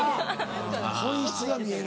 本質が見える。